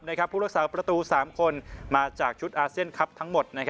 ผู้รักษาประตู๓คนมาจากชุดอาเซียนคลับทั้งหมด